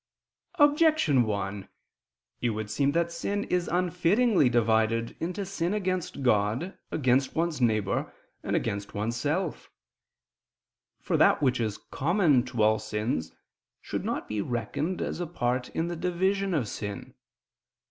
Objection 1: It would seem that sin is unfittingly divided into sin against God, against one's neighbor, and against oneself. For that which is common to all sins should not be reckoned as a part in the division of sin.